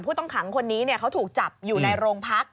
ต้องขังคนนี้เขาถูกจับอยู่ในโรงพัก